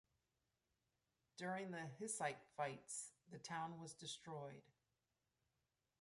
During the Hussite fights the town was destroyed.